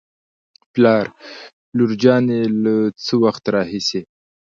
پلار : لور جانې له څه وخت راهېسې